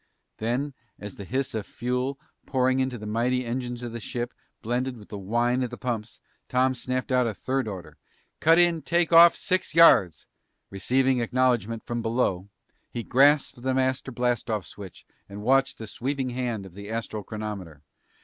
Then, as the hiss of fuel pouring into the mighty engines of the ship blended with the whine of the pumps, Tom snapped out a third order. "Cut in take off six yards!" Receiving acknowledgment from below, he grasped the master blast off switch and watched the sweeping hand of the astral chronometer.